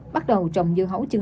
bắt đầu trồng dưa hấu